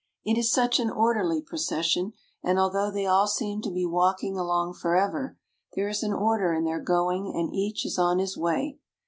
It is such an orderly procession and although they all seem to be walking along forever, there is an order in their going and each is on his way.